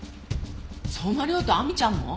相馬涼と亜美ちゃんも？